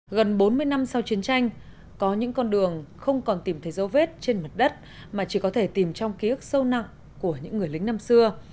gần bốn mươi năm sau chiến tranh có những con đường không còn tìm thấy dấu vết trên mặt đất mà chỉ có thể tìm trong ký ức sâu nặng của những người lính năm xưa